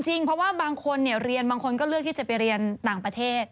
จริงเพราะว่าบางคนเรียนบางคนก็เลือกที่จะไปเรียนต่างประเทศ